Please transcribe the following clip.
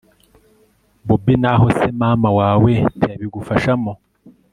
bobi naho se mama wawe ntiyabigufashamo